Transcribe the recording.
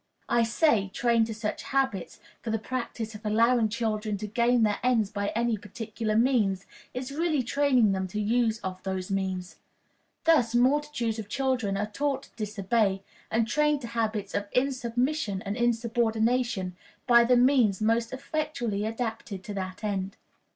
I say, trained to such habits, for the practice of allowing children to gain their ends by any particular means is really training them to the use of those means. Thus multitudes of children are taught to disobey, and trained to habits of insubmission and insubordination, by the means most effectually adapted to that end.